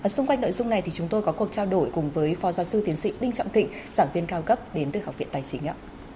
xung quanh nội dung này thì chúng tôi có cuộc trao đổi cùng với phó giáo sư tiến sĩ đinh trọng thịnh giảng viên cao cấp đến từ học viện tài chính